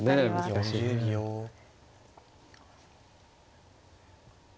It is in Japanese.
難しいね。